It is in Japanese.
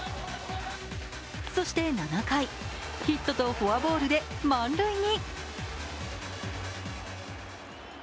そして７回、ヒットとフォアボールで満塁に。